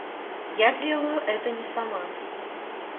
Я делаю это не сама...